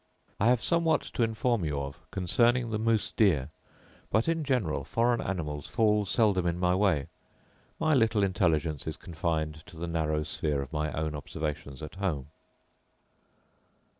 I have somewhat to inform you of concerning the moose deer; but in general foreign animals fall seldom in my way; my little intelligence is confined to the narrow sphere of my own observations at home.